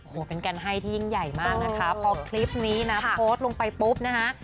โอ้โหเป็นการให้ที่ยิ่งใหญ่มากนะคะพอคลิปนี้นะโพสต์ลงไปปุ๊บนะคะ